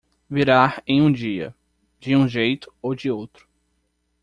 Virá em um dia, de um jeito ou de outro.